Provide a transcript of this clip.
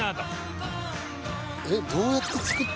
えっ？